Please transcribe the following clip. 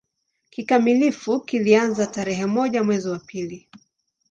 Kikamilifu kilianza tarehe moja mwezi wa pili